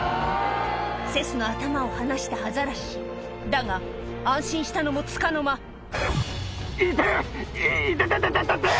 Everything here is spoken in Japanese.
セスの頭を放したアザラシだが安心したのもつかの間痛っ痛てててて。